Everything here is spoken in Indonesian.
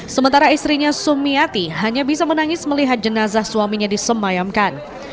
sementara istrinya sumiati hanya bisa menangis melihat jenazah suaminya disemayamkan